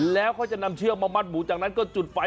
แล้วเขาจะนำเชือกมามัดหมูจากนั้นก็จุดไฟ